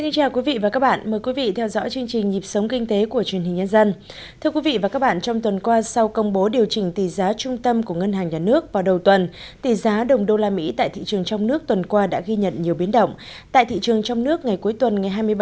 chào mừng quý vị đến với bộ phim hãy nhớ like share và đăng ký kênh của chúng mình nhé